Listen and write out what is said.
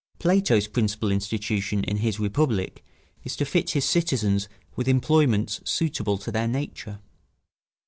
Plato's principal institution in his Republic is to fit his citizens with employments suitable to their nature.